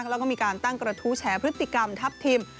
แล้วก็มีการตั้งกระทู้แฉพฤติกรรมทัพทิม